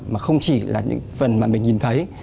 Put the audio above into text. mà không chỉ là những phần mà mình nhìn thấy